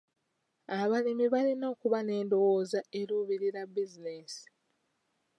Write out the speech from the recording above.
Abalimi balina okuba n'endowooza eruubirira bizinensi.